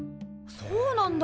そうなんだ！